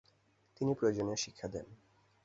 তিনি প্রয়োজনীয় শিক্ষা দেন।